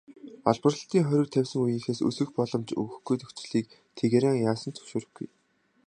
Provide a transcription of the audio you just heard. Олборлолтыг хориг тавьсан үеийнхээс өсгөх боломж өгөхгүй нөхцөлийг Тегеран яасан ч зөвшөөрөхгүй.